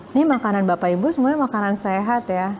ini makanan bapak ibu semuanya makanan sehat ya